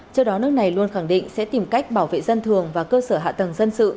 trước đó nước này luôn khẳng định sẽ tìm cách bảo vệ dân thường và cơ sở hạ tầng dân sự